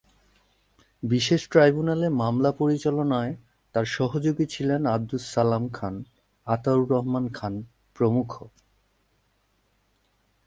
বিশেষ ট্রাইব্যুনালে মামলা পরিচালনায় তাঁর সহযোগী ছিলেন আবদুস সালাম খান, আতাউর রহমান খান প্রমুখ।